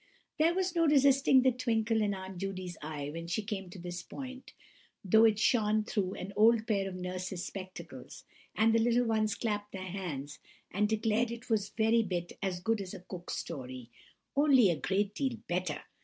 There was no resisting the twinkle in Aunt Judy's eye when she came to this point, though it shone through an old pair of Nurse's spectacles; and the little ones clapped their hands, and declared it was every bit as good as a Cook story, only a great deal better!